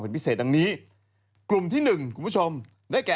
ปปราราศรีกรกฎคืออะไร